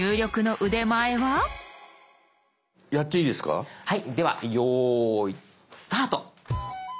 ではよいスタート。